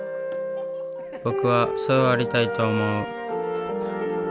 僕はそうありたいと思う。